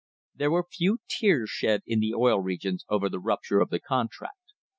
There were few tears shed in the Oil Regions over the rup ture of the contract.